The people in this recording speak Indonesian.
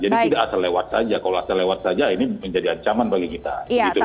jadi tidak asal lewat saja kalau asal lewat saja ini menjadi ancaman bagi kita